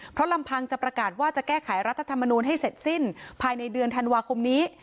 เพราะลำพังจะประกาศว่าจะแก้ไขรัฐธรรมนูลให้เสร็จสิ้นภายในเดือนธันวาคมนี้